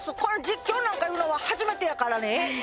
実況なんかいうのは初めてやからね